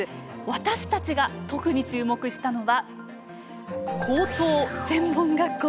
私たちが特に注目したのは高等専門学校。